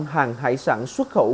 một trăm linh hàng hải sản xuất khẩu